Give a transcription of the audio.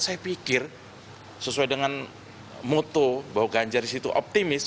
saya pikir sesuai dengan moto bahwa ganjaris itu optimis